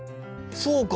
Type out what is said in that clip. そうか。